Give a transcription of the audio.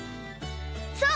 そう！